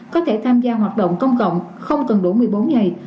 có thể tham gia hoạt động công cộng không cần đủ một mươi bốn ngày